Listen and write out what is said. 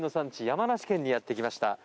山梨県にやってきました。